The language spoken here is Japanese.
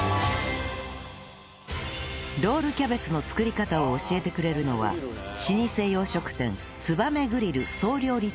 ロールキャベツの作り方を教えてくれるのは老舗洋食店つばめグリル総料理長杉本シェフ